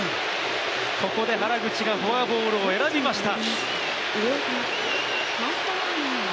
ここで原口がフォアボールを選びました。